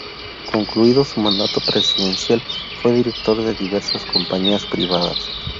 Concluido su mandato presidencial fue director de diversas compañías privadas.